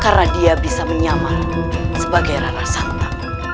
karena dia bisa menyamar sebagai rana santa